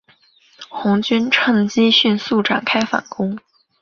红军乘机迅速展开反攻。